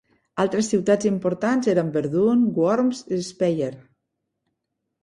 Altres ciutats importants eren Verdun, Worms i Speyer.